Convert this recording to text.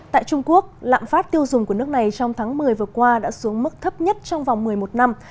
tại trung quốc lạm phát tiêu dùng của nước này trong tháng một mươi vừa qua đã xuống mức thấp nhất trong vòng một mươi một năm